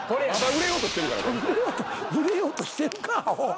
売れようとしてるかアホ。